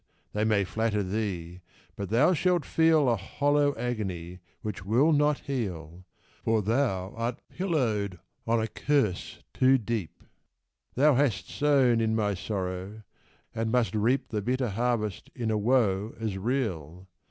they may flatter thee, but thou shall feel A hollow agony which will not heal, For thou art pillowed on a curse too deep; Thou hast sown in my sorrow, and must reap The bitter harvest in a woe as real!